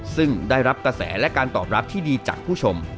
ซึ่งได้รับกระแสและการตอบรับที่ดีจากผู้ชม